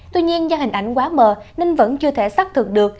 tuy nhiên do hình ảnh quá mờ nên vẫn chưa thể xác thực được